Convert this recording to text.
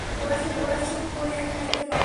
গোরা চুপ করিয়া খাইতে লাগিল।